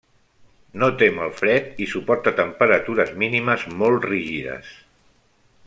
No tem el fred i suporta temperatures mínimes molt rígides.